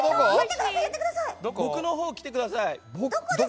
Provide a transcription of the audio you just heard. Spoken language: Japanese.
僕のほう来てください。